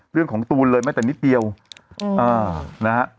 เรื่องของตูนเลยไม่แต่นิดเดียวนะฮะ